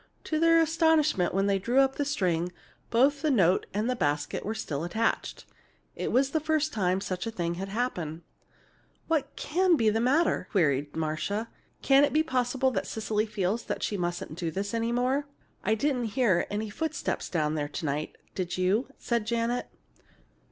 To their astonishment, when they drew up the string, both note and basket were still attached. This was the first time such a thing had happened. "What can be the matter?" queried Marcia. "Can it be possible that Cecily feels she mustn't do this any more?" "I didn't hear any footsteps down there to night, did you?" said Janet.